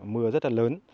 mưa rất là lớn